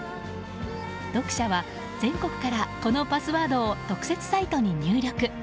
読者は全国からこのパスワードを特設サイトに入力。